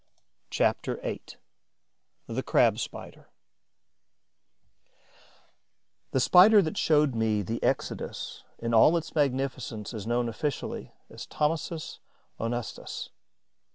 CHAPTER VIII: THE CRAB SPIDER The Spider that showed me the exodus in all its magnificence is known officially as Thomisus onustus, WALCK.